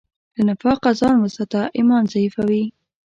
له نفاقه ځان وساته، ایمان ضعیفوي.